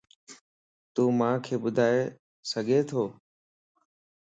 تون مانک ٻڌائي سڳي تو